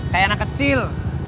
kayak anak kecil